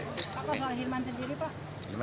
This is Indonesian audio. apa soal hilman sendiri pak